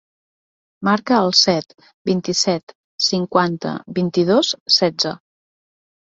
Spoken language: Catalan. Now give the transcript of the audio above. Marca el set, vint-i-set, cinquanta, vint-i-dos, setze.